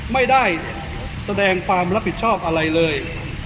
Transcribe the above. ไม่ได้แสดงความรับผิดชอบอะไรเลย